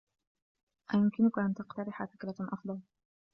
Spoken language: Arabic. أيمكنك أن تقترح فكرة أفضل؟